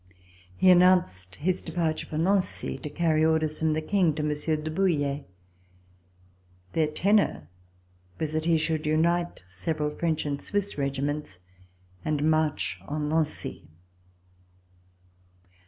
He announced his departure for Nancy to carry orders from the King to Monsieur de Bouille. Their tenor was that he should unite several French and Swiss regiments and march on Nancy.